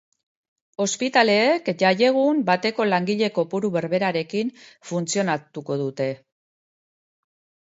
Ospitaleek jaiegun bateko langile kopuru berberarekin funtzionatuko dute.